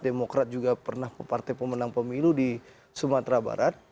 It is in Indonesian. demokrat juga pernah ke partai pemenang pemilu di sumatera barat